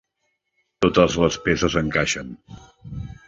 Totes les peces encaixen.